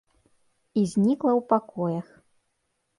І знікла ў пакоях.